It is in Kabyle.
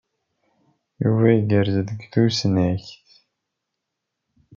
Yuba igerrez deg tusnakt.